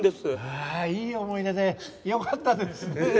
いい思い出でよかったですねえ。